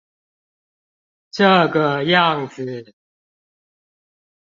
這個樣子